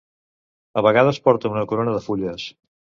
A vegades porta una corona de fulles.